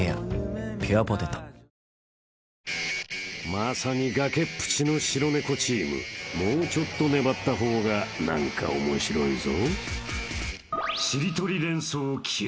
［まさに崖っぷちの白猫チームもうちょっと粘った方が何かオモシロいぞ］